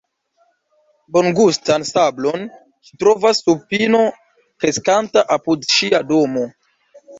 Bongustan sablon ŝi trovas sub pino kreskanta apud ŝia domo.